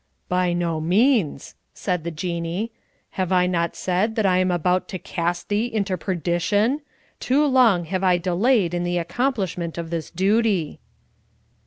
"By no means," said the Jinnee. "Have I not said that I am about to cast thee to perdition? Too long have I delayed in the accomplishment of this duty."